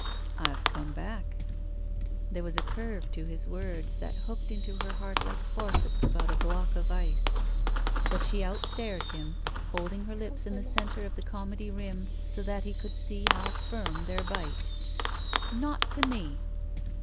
"I've come back." There was a curve to his words that hooked into her heart like forceps about a block of ice. But she outstared him, holding her lips in the center of the comedy rim so that he could see how firm their bite. "Not to me."